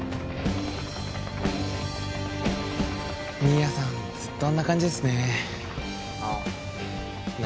新谷さん、ずっとあんな感じああ。